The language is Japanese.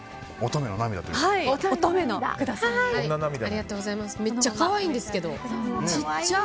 めっちゃ可愛いんですけど。